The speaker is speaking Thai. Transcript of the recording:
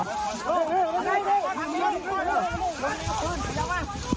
รอบเผื่อหลัง